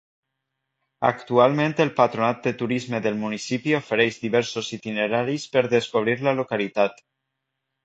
Actualment el patronat de turisme del municipi ofereix diversos itineraris per descobrir la localitat.